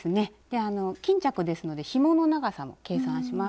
巾着ですのでひもの長さも計算します。